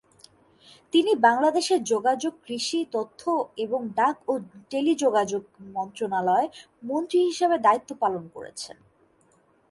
তিনি বাংলাদেশের যোগাযোগ, কৃষি, তথ্য এবং ডাক ও টেলিযোগাযোগ মন্ত্রনালয়ের মন্ত্রী হিসেবে দায়িত্ব পালন করেছেন।